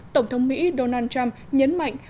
tổng thống mỹ donald trump nhấn mạnh